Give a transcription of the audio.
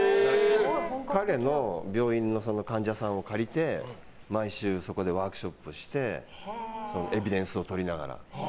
彼の病院の患者さんを借りて毎週そこでワークショップをしてエビデンスをとりながら。